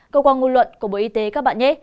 cơ quan ngôn luận của bộ y tế các bạn nhé